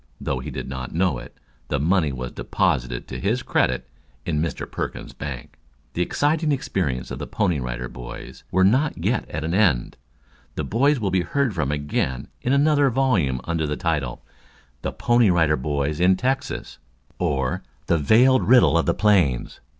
Though he did not know it, the money was deposited to his credit in Mr. Perkins's bank. The exciting experiences of the Pony Rider Boys were not yet at an end. The boys will be heard from again in another volume under the title: "THE PONY RIDER BOYS IN TEXAS; Or, The Veiled Riddle of the Plains."